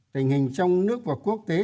tình hình trong nước và quốc tế